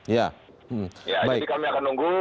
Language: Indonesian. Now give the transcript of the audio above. ya jadi kami akan nunggu